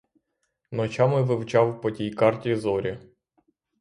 Ночами вивчав по тій карті зорі.